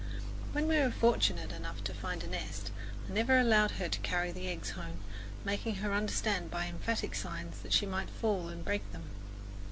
When we were fortunate enough to find a nest I never allowed her to carry the eggs home, making her understand by emphatic signs that she might fall and break them.